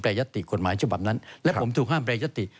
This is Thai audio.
ประยะติกกฎหมายเจ้าบำนั้นและผมถูกห้ามประยะติก